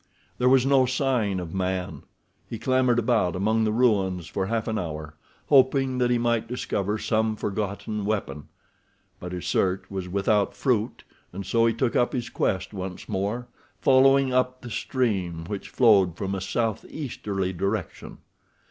There was no sign of man. He clambered about among the ruins for half an hour, hoping that he might discover some forgotten weapon, but his search was without fruit, and so he took up his quest once more, following up the stream, which flowed from a southeasterly direction.